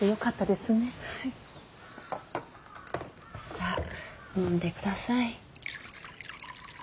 さあ飲んでください。